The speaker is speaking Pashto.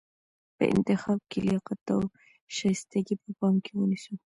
په انتخاب کې لیاقت او شایستګي په پام کې ونیسو.